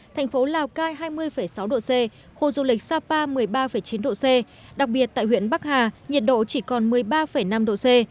thành phố lào cai hai mươi sáu độ c khu du lịch sapa một mươi ba chín độ c đặc biệt tại huyện bắc hà nhiệt độ chỉ còn một mươi ba năm độ c